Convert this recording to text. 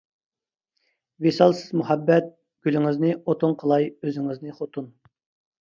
ۋىسالسىز مۇھەببەت. گۈلىڭىزنى ئوتۇن قىلاي، ئۆزىڭىزنى خوتۇن!